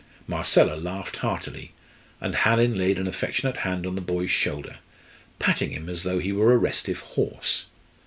Marcella laughed heartily, and Hallin laid an affectionate hand on the boy's shoulder, patting him as though he were a restive horse.